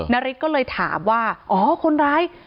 นาริสก็เลยถามว่าอ๋อคนร้าย